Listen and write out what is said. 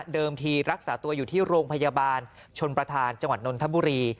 ทีรักษาตัวอยู่ที่โรงพยาบาลชนประธานจังหวัดนนทบุรี